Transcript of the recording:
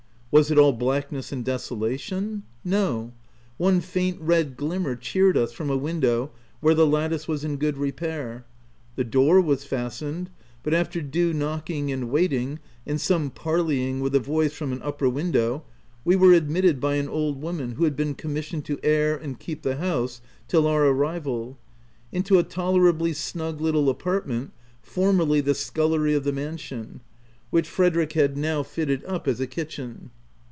Was it all blackness and desolation ? No ; one faint red glimmer cheered us from a window where the lattice was in good repair. The door was fastened, but after due knocking and wait ing, and some parleying with a voice from an upper window, we were admitted, by an old woman who had been commissioned to air and keep the house till our arrival, — into a tolerably snug little apartment, formerly the scullery of the mansion, which Frederick had now fitted 120 THE TENANT up as a kitchen.